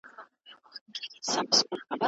یوازي نوم دی چي پاته کیږي